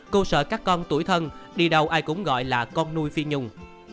cô sợ các con tuổi thân đi đâu ai cũng gọi là con nuôi phi nhung